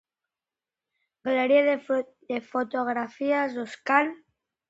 Galería de fotografías dos Cal.